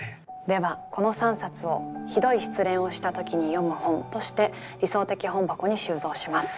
ではこの３冊を「ひどい失恋をした時に読む本」として理想的本箱に収蔵します。